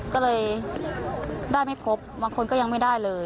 ก็เลยได้ไม่ครบบางคนก็ยังไม่ได้เลย